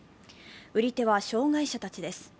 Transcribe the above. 売り手は障害者たちです。